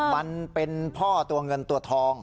มันเป็นพ่อตัวเงินตัวทอง